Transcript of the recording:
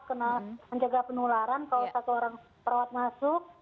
karena menjaga penularan kalau satu orang perawat masuk